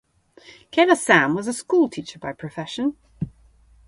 Kailasam was a school teacher by profession.